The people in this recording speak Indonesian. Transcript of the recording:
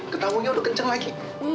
ketamunya udah kenceng lagi